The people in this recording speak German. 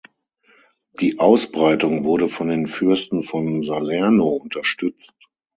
Die Ausbreitung wurde von den Fürsten von Salerno unterstützt.